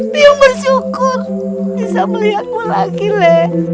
tio bersyukur bisa melihatmu lagi lek